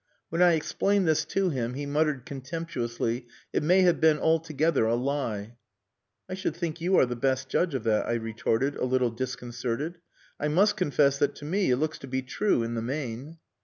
When I explained this to him he muttered contemptuously, "It may have been altogether a lie." "I should think you are the best judge of that," I retorted, a little disconcerted. "I must confess that to me it looks to be true in the main."